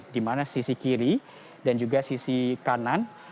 di mana sisi kiri dan juga sisi kanan